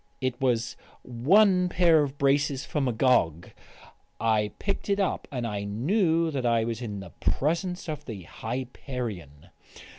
It was one pair of braces for Magog. I picked it up, and I knew that I was in the presence of the Hyperion.